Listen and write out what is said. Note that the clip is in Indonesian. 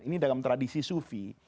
ini dalam tradisi sufi